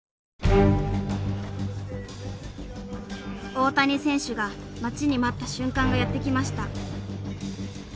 大谷選手が待ちに待った瞬間がやって来ました。